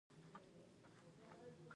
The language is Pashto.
هڅه هیڅکله ضایع نه کیږي